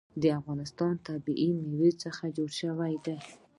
د افغانستان طبیعت له مېوې څخه جوړ شوی دی.